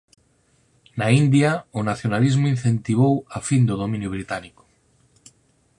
Na India o nacionalismo incentivou a fin do dominio británico.